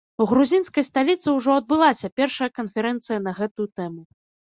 У грузінскай сталіцы ўжо адбылася першая канферэнцыя на гэту тэму.